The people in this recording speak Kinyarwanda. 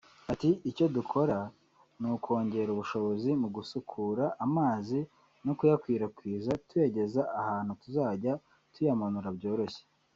Ati “Icyo dukora ni ukongera ubushobozi mu gusukura amazi no kuyakwirakwiza tuyageza ahantu tuzajya tuyamanura byoroshye